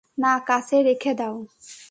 না, কাছে রেখে দাও।